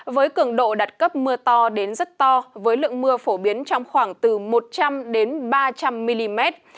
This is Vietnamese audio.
với cường độ đặt cấp mưa to đến rất to với lượng mưa phổ biến trong khoảng từ một trăm linh ba trăm linh mm